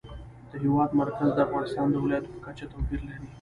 د هېواد مرکز د افغانستان د ولایاتو په کچه توپیر لري.